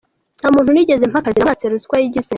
Nta muntu nigeze mpa akazi namwatse ruswa y’igitsina.